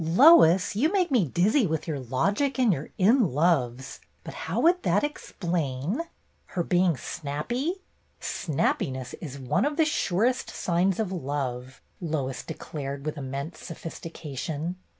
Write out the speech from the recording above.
"Lois, you make me dizzy with your logic and your 'in loves.' But how would that explain —" "Her being snappy? Snappiness is one of the surest signs of love," Lois declared, with immense sophistication.